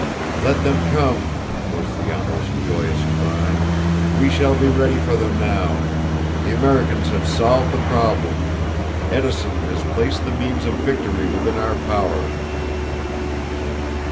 "Let them come," was the almost joyous cry. "We shall be ready for them now. The Americans have solved the problem. Edison has placed the means of victory within our power."